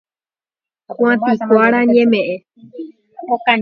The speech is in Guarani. Kuatiakuéra ñemeʼẽ.